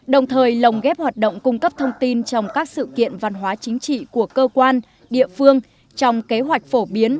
đồng thời lồng ghép hoạt động cung cấp thông tin trong các sự kiện văn hóa chính trị của cơ quan địa phương trong kế hoạch phổ biến